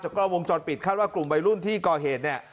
กล้องวงจรปิดคาดว่ากลุ่มวัยรุ่นที่ก่อเหตุเนี่ย